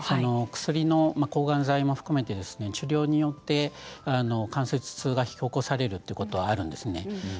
抗がん剤も含めて薬の治療によって関節痛が引き起こされるということはあります。